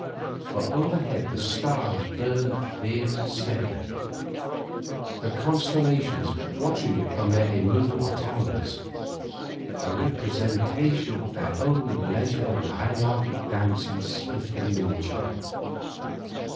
For overhead the stars burned clear and steady, the constellations watching it from their immovable towers a representation of their own leisured and hierarchic dance in swifter miniature.